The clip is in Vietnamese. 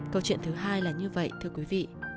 câu chuyện thứ hai là như vậy thưa quý vị